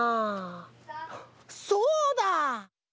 そうだ！